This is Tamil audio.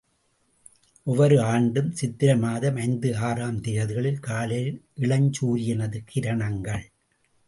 ஒவ்வொரு ஆண்டும் சித்திரை மாதம் ஐந்து ஆறாம் தேதிகளில் காலையில் இளஞ்சூரியனது கிரணங்கள்.